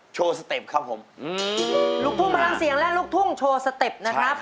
ใจเต็มตลอด